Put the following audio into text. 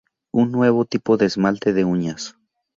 Un nuevo tipo de esmalte de uñas.